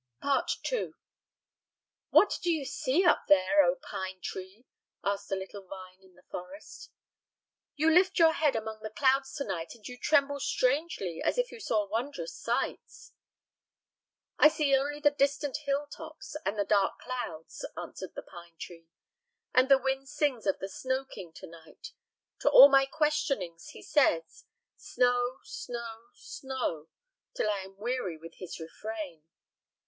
II "What do you see up there, O pine tree?" asked a little vine in the forest. "You lift your head among the clouds tonight, and you tremble strangely as if you saw wondrous sights." "I see only the distant hill tops and the dark clouds," answered the pine tree. "And the wind sings of the snow king to night; to all my questionings he says, 'Snow, snow, snow,' till I am weary with his refrain."